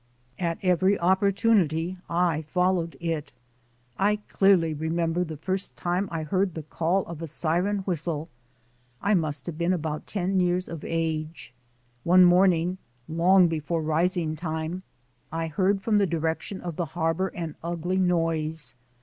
At every opportunity I followed it. I clearly re member the first time I heard the call of a siren whistle. I must have been about ten years of age. One morning, long before rising time, I heard from the direction of the harbor an ugly noise.